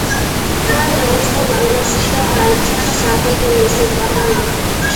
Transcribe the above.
მან დაიპყრო ლაგაში და გააერთიანა სამხრეთ მესოპოტამია.